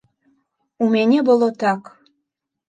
У мяне было так.